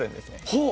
ほう。